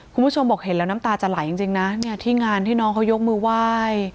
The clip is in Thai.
คุณผู้ชมบอกเห็นแล้วน้ำตาจะไหลจริงนะเนี่ยที่งานที่น้องเขายกมือไหว้